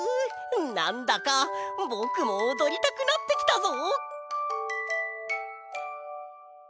なんだかぼくもおどりたくなってきたぞ！